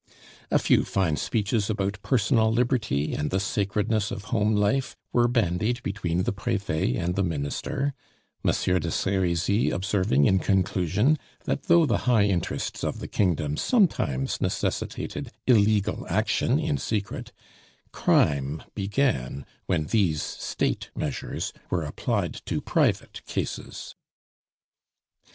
A few fine speeches about personal liberty and the sacredness of home life were bandied between the Prefet and the Minister; Monsieur de Serizy observing in conclusion that though the high interests of the kingdom sometimes necessitated illegal action in secret, crime began when these State measures were applied to private cases.